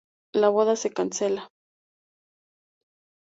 La boda se cancela.